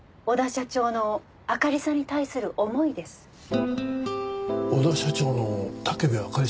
小田社長の武部あかりさんに対する思いですか？